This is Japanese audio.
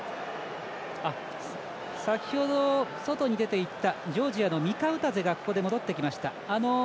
先ほど外に出ていったジョージアのミカウタゼがここで戻ってきました。